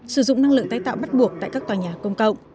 sử dụng năng lượng tái tạo bắt buộc tại các tòa nhà công cộng